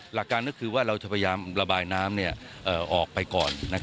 หลักการก็คือว่าเราจะพยายามระบายน้ำออกไปก่อน